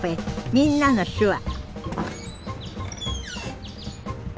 「みんなの手話」